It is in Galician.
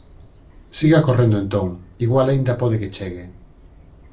Siga correndo entón, igual aínda pode que chegue.